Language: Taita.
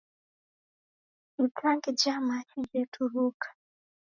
Itangi ja machi jeturuka.